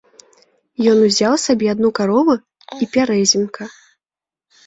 Ён узяў сабе адну карову і пярэзімка.